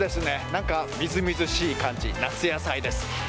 なんかみずみずしい感じ、夏野菜です。